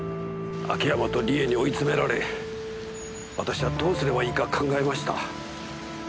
秋山と理恵に追い詰められ私はどうすればいいか考えました。